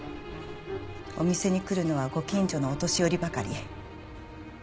お店に来るのはご近所のお年寄りばかり。